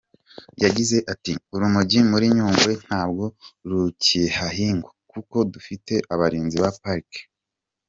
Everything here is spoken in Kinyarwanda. Yagize ati “Urumogi muri Nyungwe ntabwo rukihahingwa kuko dufite abarinzi ba Parike.